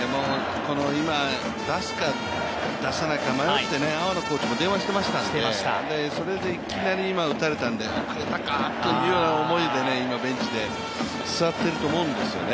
今出すか出さないか迷って阿波野コーチも電話していましたんでそこでいきなり今打たれたんで遅れたかという思いで、今、ベンチで座っていると思うんですよね。